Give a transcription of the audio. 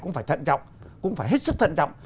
cũng phải thận trọng cũng phải hết sức thận trọng